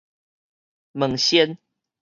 問仙